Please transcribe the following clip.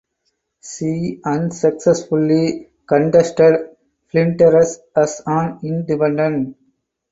She unsuccessfully contested Flinders as an independent.